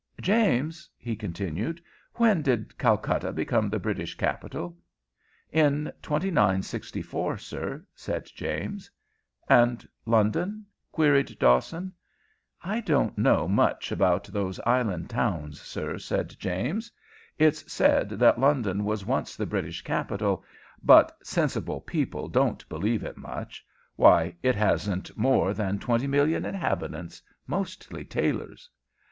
"James," he continued, "when did Calcutta become the British capital?" "In 2964, sir," said James. "And London?" queried Dawson. "I don't know much about those island towns, sir," said James. "It's said that London was once the British capital, but sensible people don't believe it much. Why, it hasn't more than twenty million inhabitants, mostly tailors."